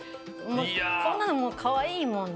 こんなのもうかわいいもんで。